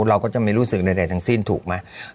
เราก็จะไม่รู้สึกใดทั้งสิ้นถูกไหม